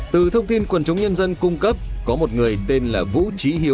từ thông tin quần chúng nhân dân cung cấp có một người tên là vũ trí hiếu